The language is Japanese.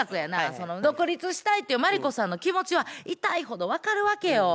その独立したいっていうマリコさんの気持ちは痛いほど分かるわけよ。